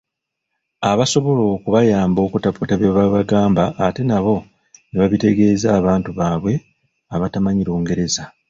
Abasobola okubayamba okutaputa bye babagamba ate nabo ne babitegeeza abantu baabwe abatamanyi Lungereza.